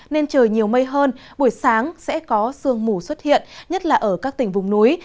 nên trời nhiều mây hơn buổi sáng sẽ có sương mù xuất hiện nhất là ở các tỉnh vùng núi